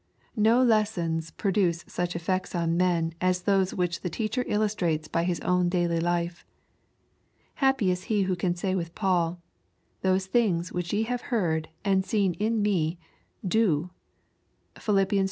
No lessons produce such effects on men as those which the teacher illustrates by his own daily life. Happy is he who can say with Paul, " Those things which ye have heard and seen in me, do.'' (Philip, iv.